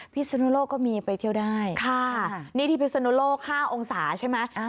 พิศนุโลกก็มีไปเที่ยวได้ค่ะนี่ที่พิศนุโลก๕องศาใช่ไหม